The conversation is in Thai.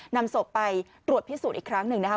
นำศพไปตรวจพิสูจน์อีกครั้งหนึ่งนะคะ